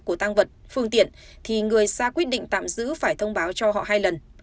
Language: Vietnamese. của tăng vật phương tiện thì người ra quyết định tạm giữ phải thông báo cho họ hai lần